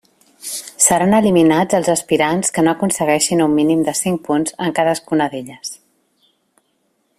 Seran eliminats els aspirants que no aconsegueixin un mínim de cinc punts en cadascuna d'elles.